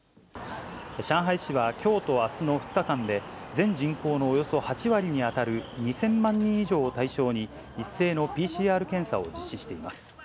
上海市は、きょうとあすの２日間で、全人口のおよそ８割に当たる２０００万人以上を対象に、一斉のＰＣＲ検査を実施しています。